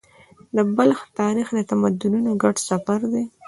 د بلخ تاریخ د تمدنونو ګډ سفر دی.